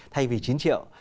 thay vì chín triệu